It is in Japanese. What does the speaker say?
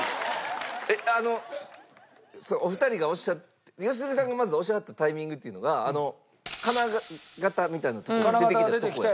あのお二人がおっしゃった良純さんがまずおっしゃったタイミングっていうのが金型みたいな出てきたとこやったんですね。